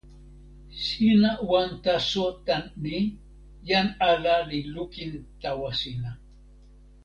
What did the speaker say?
sina wan taso tan ni: jan ala li lukin tawa sina.